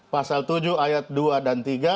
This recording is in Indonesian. pasal tujuh ayat dua dan tiga